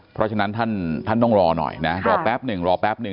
เพราะฉะนั้นท่านต้องรอหน่อยนะรอแป๊บหนึ่งรอแป๊บหนึ่ง